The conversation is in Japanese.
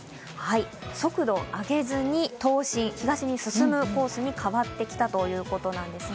速度上げずに東進コースに変わってきたということです。